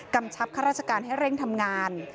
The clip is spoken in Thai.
ชับข้าราชการให้เร่งทำงาน